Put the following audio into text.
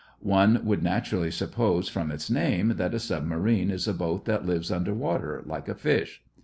One would naturally suppose, from its name, that a submarine is a boat that lives under water, like a fish.